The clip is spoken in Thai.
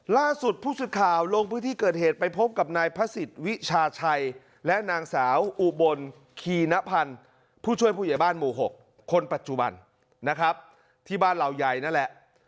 ล่าสุดผู้สื่อข่าวลงพื้นที่เกิดเหตุไปพบกับนายพระศิษย์วิชาชัยและนางสาวอุบลคีณพันธ์ผู้ช่วยผู้ใหญ่บ้านหมู่๖คนปัจจุบันนะครับที่บ้านเหล่าใหญ่นั่นแหละ